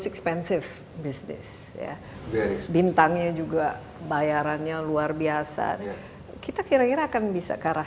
expensive bisnis bintangnya juga bayarannya luar biasa kita kira kira akan bisa ke arah